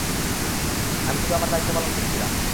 আমি শুধু আমার দায়িত্ব পালন করছিলাম।